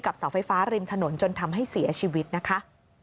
เสาไฟฟ้าริมถนนจนทำให้เสียชีวิตนะคะ